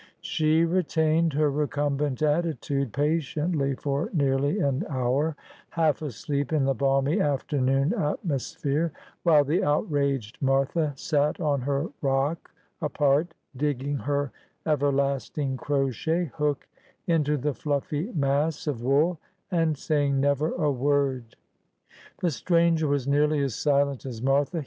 She retained her recumbent attitude patiently for nearly an hour, half asleep in the balmy afternoon atmosphere, while the outraged Martha sat on her rock apart, digging her everlasting crochet hook into the iluffy mass of wool, and saying never a word. The stranger was nearly as silent as Martha.